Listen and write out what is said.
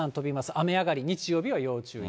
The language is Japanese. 雨上がり、日曜日は要注意。